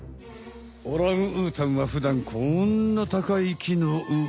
オランウータンはふだんこんな高い木の上！